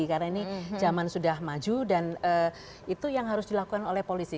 karena ini zaman sudah maju dan itu yang harus dilakukan oleh polisi